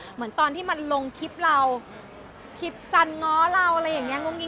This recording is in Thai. เหมือนตอนที่มันลงคลิปเราทิพย์จันง้อเราอะไรอย่างนี้งมงี